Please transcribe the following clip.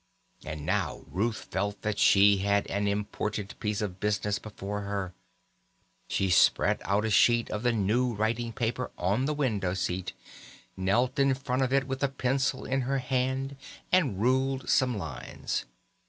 And now Ruth felt that she had an important piece of business before her. She spread out a sheet of the new writing paper on the window seat, knelt in front of it with a pencil in her hand, and ruled some lines.